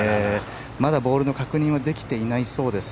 まだボールの確認はできていないそうです。